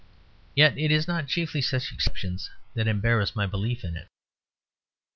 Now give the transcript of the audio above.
Yet it is not chiefly such exceptions that embarrass my belief in it.